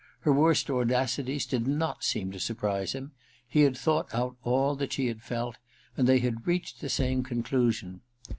Her worst audacities did not seem to surprise him : he had thought out all that she had felt, and they had reached the same conclusion.